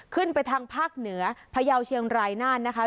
ทางภาคเหนือพยาวเชียงรายน่านนะคะ